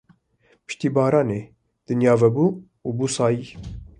Piştî baranê dinya vebû û bû sayî.